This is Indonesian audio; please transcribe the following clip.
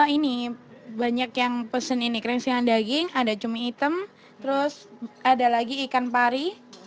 ini banyak yang pesen ini krengsian daging ada cumi hitam terus ada lagi ikan pari